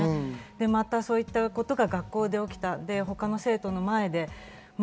またそういったことが学校で起きた、他の生徒の前で。